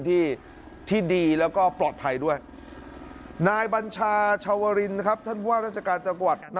ผู้ชมครับคุณผู้ชมครับคุณผู้ชมครับคุณ